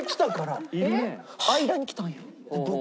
間に来たんや。